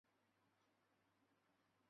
清朝官员。